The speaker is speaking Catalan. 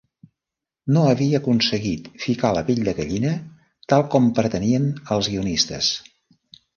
No havia aconseguit ficar la pell de gallina, tal com pretenien els guionistes.